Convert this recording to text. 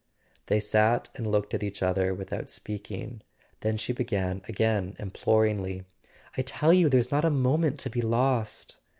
They sat and looked at each other without speaking; then she began again imploringly: "I tell you there's not a moment to be lost!